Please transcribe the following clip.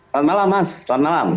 selamat malam mas selamat malam